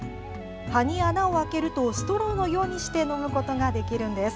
葉に穴を開けるとストローのようにして飲むことができるんです。